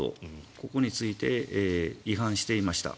ここについて違反していました。